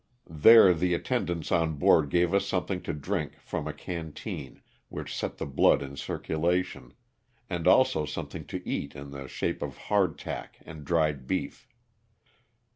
There the attendants on board gave us something to drink from a canteen which set the blood in circulation, and also something to eat in the shape of hard tack and dried beef.